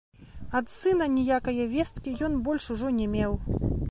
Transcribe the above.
Ад сына ніякае весткі ён больш ужо не меў.